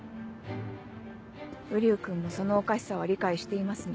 瓜生君もそのおかしさは理解していますね？